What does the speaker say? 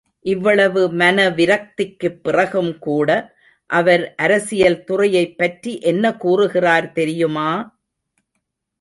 இவ்வளவு மனவிரக்திக்குப் பிறகும் கூட, அவர் அரசியல் துறையைப் பற்றி என்ன கூறுகிறார் தெரியுமா!